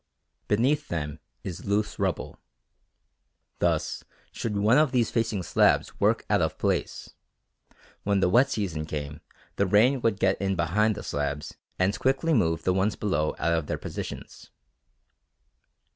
Beneath them is loose rubble. Thus should one of these facing slabs work out of place, when the wet season came the rain would get in behind the slabs and quickly move the ones below out of their positions.